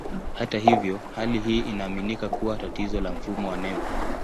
Hata hivyo, hali hii inaaminika kuwa tatizo la mfumo wa neva.